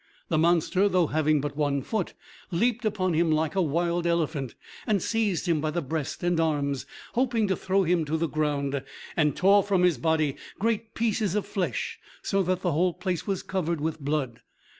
The monster, though having but one foot, leaped upon him like a wild elephant, and seized him by the breast and arms, hoping to throw him to the ground, and tore from his body great pieces of flesh, so that the whole place was covered with blood.